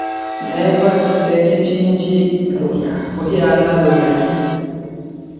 Neva tshiseke tshindji kuhiana lume.